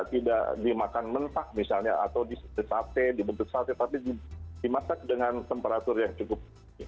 tidak dimakan mentah misalnya atau di sate dibentuk sate tapi dimasak dengan temperatur yang cukup